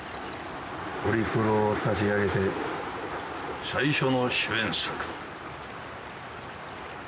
オリプロを立ち上げて最初の主演作。